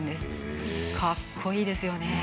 かっこいいですよね。